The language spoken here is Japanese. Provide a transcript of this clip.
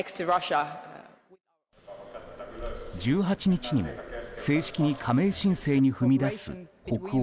１８日にも正式に加盟申請に踏み出す北欧